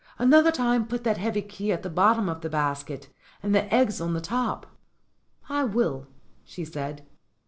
Another time put that heavy key at the bottom of the basket and the eggs on the top." "I will," she said.